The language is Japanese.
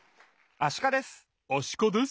アシカです。